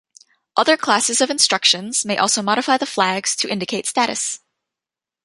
Other classes of instructions may also modify the flags to indicate status.